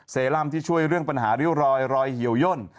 แร่มที่ช่วยเรื่องปัญหาริ้วรอยรอยเหี่ยวย่น